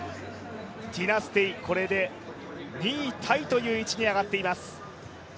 ティナ・ステイ、これで２位タイという位置に上がっています。